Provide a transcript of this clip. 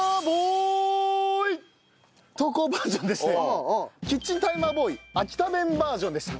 投稿バージョンでしてキッチンタイマーボーイ秋田弁バージョンでした。